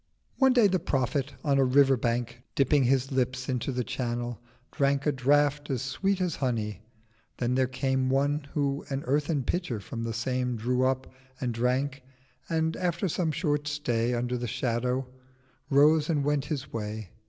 One day the Prophet on a River Bank, Dipping his Lips into the Channel, drank A Draught as sweet as Honey. Then there came One who an earthen Pitcher from the same Drew up, and drank: and after some short stay Under the Shadow, rose and went his Way.